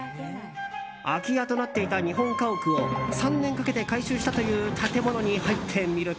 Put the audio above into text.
空き家となっていた日本家屋を３年かけて改修したという建物に入ってみると。